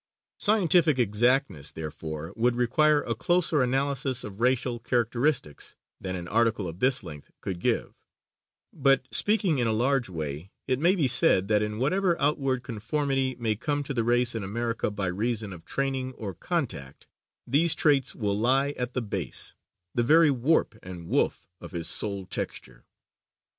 Scientific exactness, therefore, would require a closer analysis of racial characteristics than an article of this length could give; but, speaking in a large way, it may be said that in whatever outward conformity may come to the race in America by reason of training or contact, these traits will lie at the base, the very warp and woof of his soul texture.